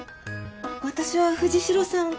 私は藤代さん。